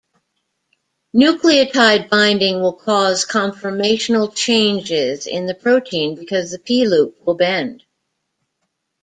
Nucleotide binding will cause conformational changes in the protein because the P-loop will bend.